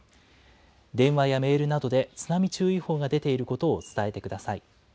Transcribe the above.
電話やメールなどで津波注意報が出ていることを伝えてください。